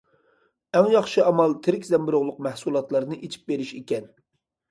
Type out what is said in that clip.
ئەڭ ياخشى ئامال تىرىك زەمبۇرۇغلۇق مەھسۇلاتلارنى ئىچىپ بېرىش ئىكەن.